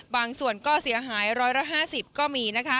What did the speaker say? บางส่วนก็เสียหาย๑๕๐ก็มีนะคะ